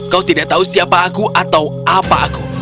kau tidak tahu siapa aku atau apa aku